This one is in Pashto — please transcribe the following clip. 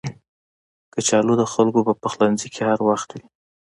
کچالو د خلکو په پخلنځي کې هر وخت وي